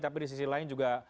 tapi di sisi lain juga